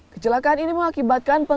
kecelakaan ini mengakibatkan pengangkutan